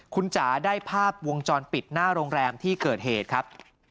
คุณจ๋าได้ภาพวงจรปิดหน้าโรงแรมที่เกิดเหตุครับ